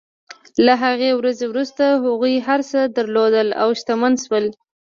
له هغې ورځې وروسته هغوی هر څه درلودل او شتمن شول.